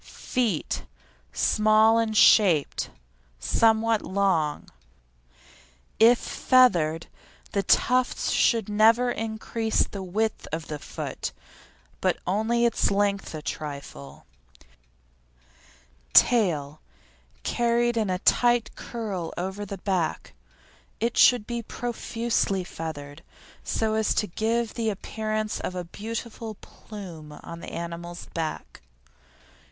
FEET Small and shaped, somewhat long; the dog stands up on its toes somewhat. If feathered, the tufts should never increase the width of the foot, but only its length a trifle. TAIL Carried in a tight curl over the back. It should be profusely feathered so as to give the appearance of a beautiful "plume" on the animal's back.